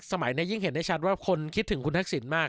สมัยในยิ่งเห็นได้ชัดว่าคนคิดถึงคุณพรรคสินมาก